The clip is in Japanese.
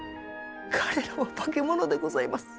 彼らは化け物でございます！